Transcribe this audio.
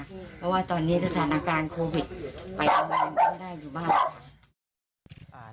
เพราะว่าตอนนี้สถานการณ์โควิดไปทำงานก็ไม่ได้อยู่บ้าน